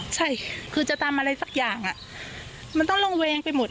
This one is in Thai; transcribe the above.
ใช่คือจะทำอะไรสักอย่างมันต้องระแวงไปหมด